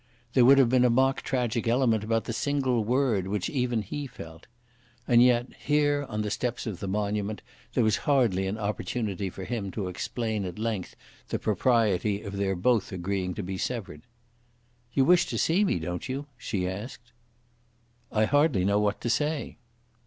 There would have been a mock tragic element about the single word which even he felt. And yet, here on the steps of the monument, there was hardly an opportunity for him to explain at length the propriety of their both agreeing to be severed. "You wish to see me; don't you?" she asked. "I hardly know what to say."